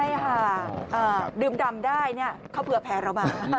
ใช่ค่ะดื่มดำได้เขาเผื่อแผลเรามา